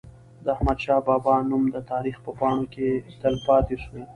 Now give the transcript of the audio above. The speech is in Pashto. د احمد شاه بابا نوم د تاریخ په پاڼو کي تل پاتي سو.